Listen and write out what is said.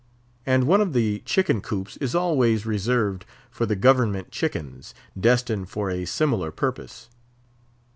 And one of the chicken coops is always reserved for the Government chickens, destined for a similar purpose.